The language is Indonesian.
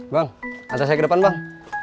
bang rasa saya ke depan bang